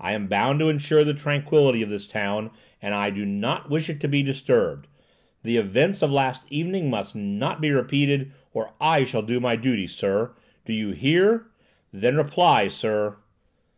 I am bound to insure the tranquillity of this town, and I do not wish it to be disturbed. The events of last evening must not be repeated, or I shall do my duty, sir! Do you hear? Then reply, sir."